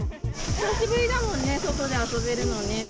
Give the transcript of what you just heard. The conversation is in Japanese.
久しぶりだもんね、外で遊べるのね。